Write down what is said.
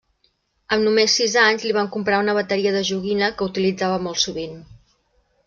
Amb només sis anys li van comprar una bateria de joguina que utilitzava molt sovint.